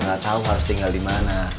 gak tau harus tinggal di mana